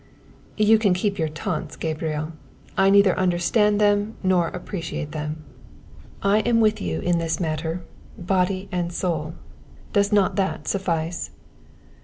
"You can keep your taunts, Gabriel. I neither understand them nor appreciate them. I am with you in this matter, body and soul does not that suffice?"